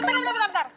bentar bentar bentar